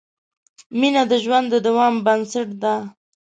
مینه د ژوند د دوام بنسټ ده.